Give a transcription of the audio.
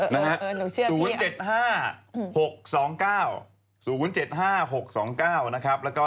แล้วก็เลขหน้า๓ตัวก็๓๕๗แล้วก็๑๓๐